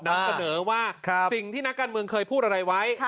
นำเสนอว่าสิ่งที่นักการเมืองเคยพูดอะไรไว้